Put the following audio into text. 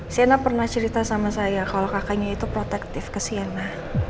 siana pernah cerita sama saya kalau kakaknya itu protektif ke sienna